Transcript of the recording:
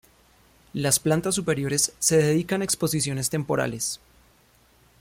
Las plantas superiores se dedican a exposiciones temporales.